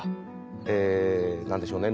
え何でしょうね。